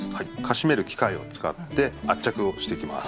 しめる機械を使って圧着をしていきます。